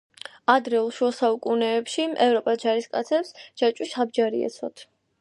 ადრეულ შუა საუკუნეებში ევროპელ ჯარისკაცებს ჯაჭვის აბჯარი ეცვათ.